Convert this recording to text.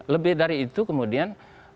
lebih dari itu kemudian